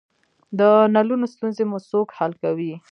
د نلونو ستونزې مو څوک حل کوی؟